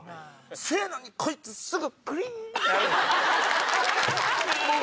せやのにこいつすぐクリン！ってやるんですよ。